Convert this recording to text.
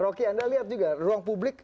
rocky anda lihat juga ruang publik